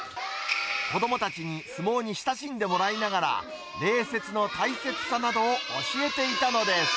子どもたちに相撲に親しんでもらいながら、礼節の大切さなどを教えていたのです。